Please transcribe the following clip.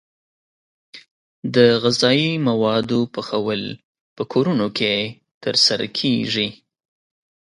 د غذايي موادو پخول په کورونو کې ترسره کیږي.